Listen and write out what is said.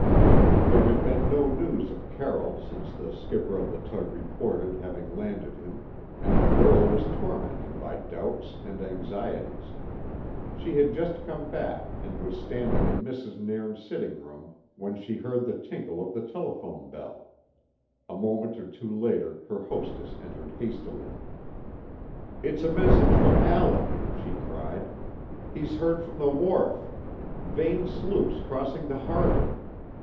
There had been no news of Carroll since the skipper of the tug reported having landed him, and the girl was tormented by doubts and anxieties. She had just come back and was standing in Mrs. Nairn's sitting room, when she heard the tinkle of the telephone bell. A moment or two later her hostess entered hastily. "It's a message from Alec," she cried. "He's heard from the wharf: Vane's sloop's crossing the harbour.